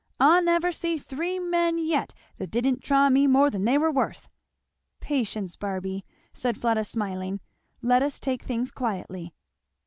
I never see three men yet that didn't try me more than they were worth." "Patience, Barby!" said Fleda smiling. "Let us take things quietly."